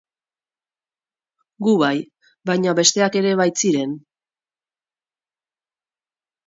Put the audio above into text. Gu bai, baina besteak ere baitziren...